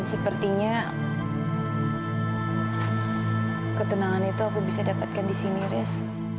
dan sepertinya ketenangan itu aku bisa dapatkan di sini res